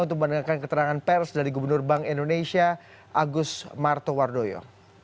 untuk mendengarkan keterangan pers dari gubernur bank indonesia agus martowardoyo